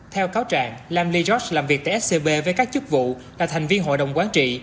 theo cáo trạng lam lee george làm việc tại scb với các chức vụ là thành viên hội đồng quán trị